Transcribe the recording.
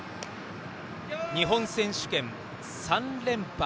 日本選手権３連覇。